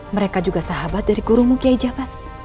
mereka juga sahabat dari gurumu kiai jabat